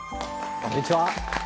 こんにちは。